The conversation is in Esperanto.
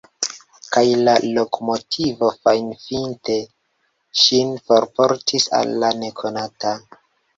Kaj la lokomotivo fajfinte ŝin forportis al la nekonato.